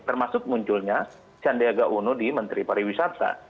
termasuk munculnya chandra yaga uno di menteri pariwisata